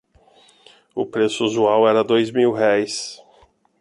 O preço usual era dois mil-réis.